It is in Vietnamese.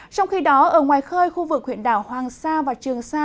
trong khi đó ở ngoài khơi khu vực huyện đảo hoàng sa và trường sa